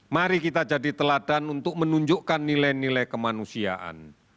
mari kita jadi teladan untuk menunjukkan nilai nilai kemanusiaan